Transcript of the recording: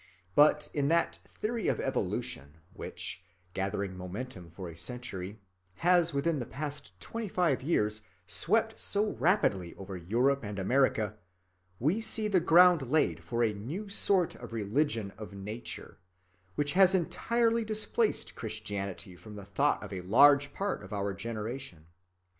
But in that "theory of evolution" which, gathering momentum for a century, has within the past twenty‐five years swept so rapidly over Europe and America, we see the ground laid for a new sort of religion of Nature, which has entirely displaced Christianity from the thought of a large part of our generation.